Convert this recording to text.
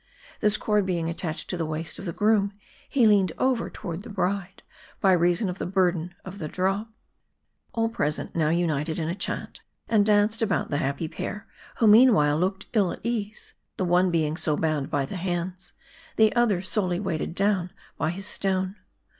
This cord being attached to the waist of the groom, he leaned over toward the bride, by reason of the burden of the drop. All present now united in a chant, and danced about the happy pair, who meanwhile looked ill at ease; the one being so bound by the hands, and the other sorely weighed down by his stone.